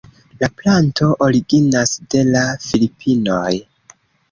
La planto originas de la Filipinoj.